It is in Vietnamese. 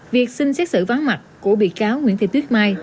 việc xin xét xử vắng mặt của bị cáo nguyễn thị tuyết mai